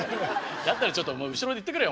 だったらちょっと後ろで言ってくれよ。